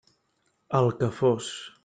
El que fos.